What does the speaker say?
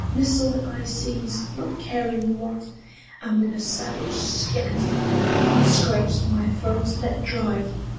Missile I seize, Not caring what, and with a savage "Scat!" That scrapes my throat, let drive.